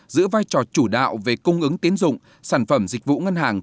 giữ vai trò chủ đạo về cung ứng tiến dụng sản phẩm dịch vụ ngân hàng